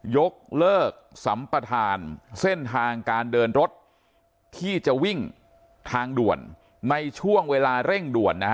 ยกเลิกสัมปทานเส้นทางการเดินรถที่จะวิ่งทางด่วนในช่วงเวลาเร่งด่วนนะฮะ